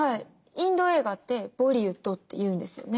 インド映画ってボリウッドっていうんですよね？